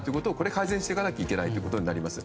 改善していかないといけないことになります。